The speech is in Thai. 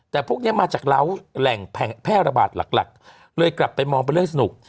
แต่พวกนี้มาจากเล้าแหล่งแพร่ระบาดหลักเลยกลับไปมองเป็นเรื่องสนุก